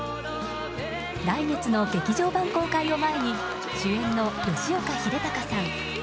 来月の劇場版公開を前に主演の吉岡秀隆さん